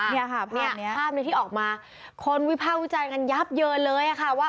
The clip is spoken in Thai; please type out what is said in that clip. เนี่ยค่ะภาพนี้ที่ออกมาคนวิภาควิจารณ์กันยับเยินเลยค่ะว่า